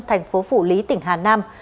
thành phố phủ lý tỉnh hà nam